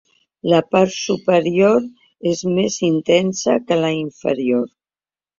La part superior és més intensa que la inferior.